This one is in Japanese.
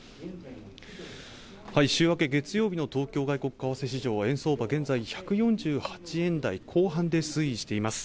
週明け月曜日の東京外国為替市場は円相場は現在１４８円台後半で推移しています